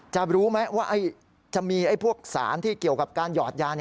จะรู้ไหมว่าจะมีพวกสารที่เกี่ยวกับการหยอดยา